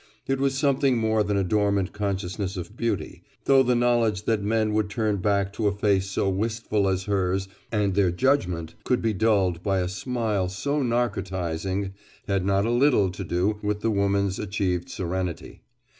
It was something more than a dormant consciousness of beauty, though the knowledge that men would turn back to a face so wistful as hers, and their judgment could be dulled by a smile so narcotizing, had not a little to do with the woman's achieved serenity.